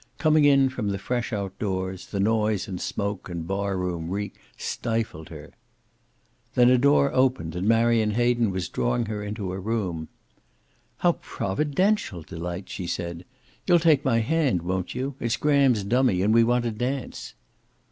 Coming in from the fresh outdoors, the noise and smoke and bar room reek stifled her. Then a door opened, and Marion Hayden was drawing her into a room. "How providential, Delight!" she said. "You'll take my hand, won't you? It's Graham's dummy, and we want to dance."